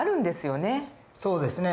そうですね